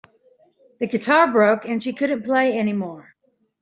The guitar broke and she couldn't play anymore.